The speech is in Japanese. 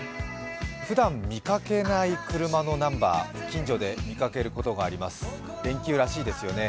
ふだん、見かけない車のナンバー、近所で見かけることがあります、連休らしいですよね。